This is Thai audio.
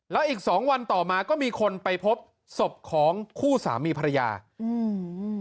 แล้วอีกสองวันต่อมาก็มีคนไปพบศพของคู่สามีภรรยาอืม